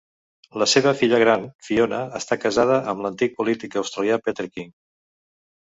La seva filla gran, Fiona, està casada amb l'antic polític australià Peter King.